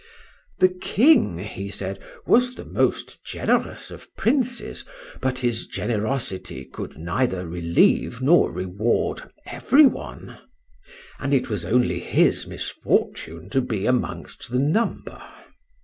The king, he said, was the most generous of princes, but his generosity could neither relieve nor reward everyone, and it was only his misfortune to be amongst the number.